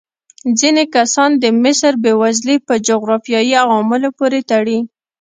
ځینې کسان د مصر بېوزلي په جغرافیايي عواملو پورې تړي.